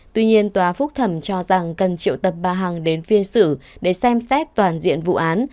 tuy nhiên tòa phúc thẩm cho rằng cần triệu tập bà hằng đến phiên xử để xem xét toàn diện vụ án